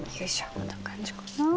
こんな感じかな？